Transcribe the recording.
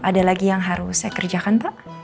ada lagi yang harus saya kerjakan pak